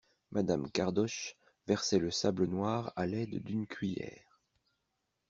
Madame Cardoche versait le sable noir à l'aide d'une cuiller.